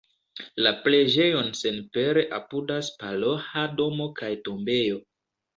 La preĝejon senpere apudas paroĥa domo kaj tombejo.